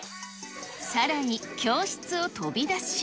さらに教室を飛び出し。